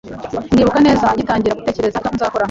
Ndibuka neza ngitangira gutekereza icyo nzakora,